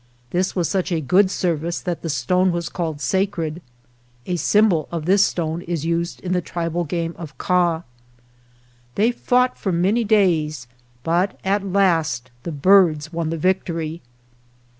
This was such a good service that the stone was called sacred. (A symbol of this stone is used in the tribal game of Kah. 1 ) They fought for many days, but at last the birds won the victory.